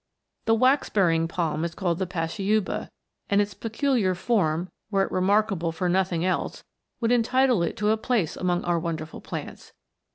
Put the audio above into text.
237 The wax bearing palm is called the pashiuba, and its peculiar form, were it remarkable for nothing else, would entitle it to a place among our wonderful plants.